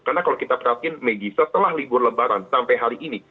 karena kalau kita perhatiin maggie setelah libur lebaran sampai hari ini